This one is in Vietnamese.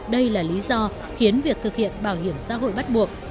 đây là lý do khiến việc thực hiện bảo hiểm xã hội bắt buộc